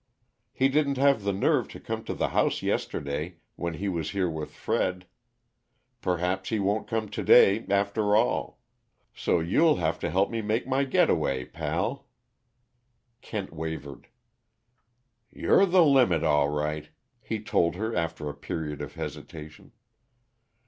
He didn't have the nerve to come to the house yesterday, when he was here with Fred perhaps he won't come to day, after all. So you'll have to help me make my getaway, pal." Kent wavered. "You're the limit, all right," he told her after a period of hesitation.